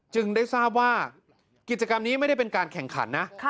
ได้ทราบว่ากิจกรรมนี้ไม่ได้เป็นการแข่งขันนะ